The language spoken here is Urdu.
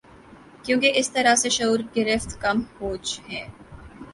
کیونکہ اس طرح سے شعور گرفت کم ہو ج ہے